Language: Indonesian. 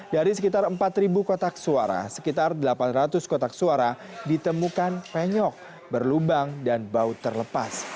dari sekitar empat kotak suara sekitar delapan ratus kotak suara ditemukan penyok berlubang dan bau terlepas